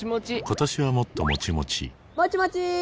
今年はもっともちもちもちもちー！